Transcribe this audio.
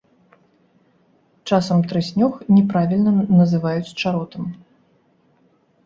Часам трыснёг няправільна называюць чаротам.